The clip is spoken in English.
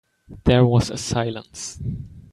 There was a silence.